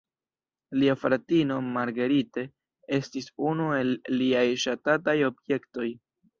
Lia fratino, Marguerite, estis unu el liaj ŝatataj objektoj.